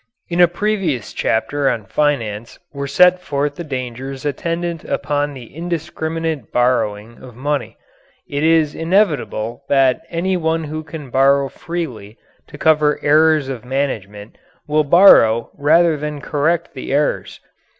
In a previous chapter on finance were set forth the dangers attendant upon the indiscriminate borrowing of money. It is inevitable that any one who can borrow freely to cover errors of management will borrow rather than correct the errors.